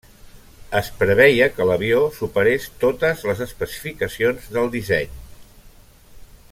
Es preveia que l'avió superés totes les especificacions del disseny.